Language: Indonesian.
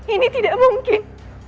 ini tidak mungkin